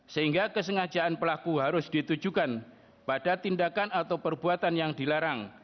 sehingga kesengajaan pelaku harus ditujukan pada tindakan atau perbuatan yang dilarang